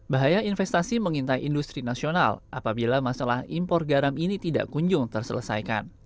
bahaya investasi mengintai industri nasional apabila masalah impor garam ini tidak kunjung terselesaikan